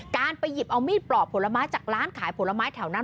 การไปหยิบเอามีดปลอกผลไม้จากร้านขายผลไม้แถวนั้น